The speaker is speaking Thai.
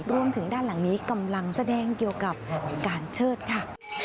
รวมถึงด้านหลังนี้กำลังแสดงเกี่ยวกับการเชิดค่ะ